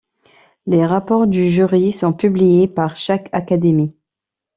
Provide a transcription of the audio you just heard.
Les rapports de jury sont publiés par chaque académie.